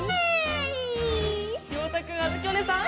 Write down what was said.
ようたくんあづきおねえさん